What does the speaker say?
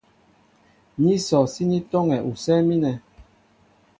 Ní sɔ síní tɔ́ŋɛ usɛ́ɛ́ mínɛ.